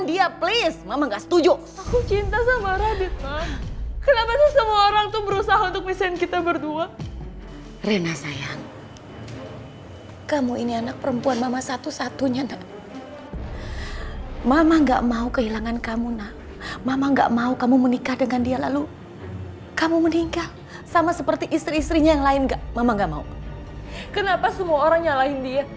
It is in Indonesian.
dia tuh gak salah mah